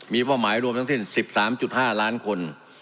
มีเป้าหมายรวมทั้งสิ้น๑๓๕ล้านคน